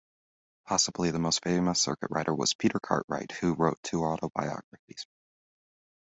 Possibly the most famous circuit rider was Peter Cartwright who wrote two autobiographies.